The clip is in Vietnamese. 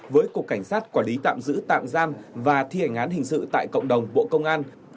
với cục cảnh sát quản lý tạm giữ tạm gian và thi hành án hình sự tại cộng đồng bộ công an